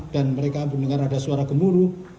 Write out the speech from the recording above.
dan mereka mendengar ada suara gemuruh